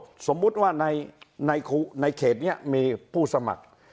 เหมือนหมดสมมุติว่าในเขตนี้มีผู้สมัคร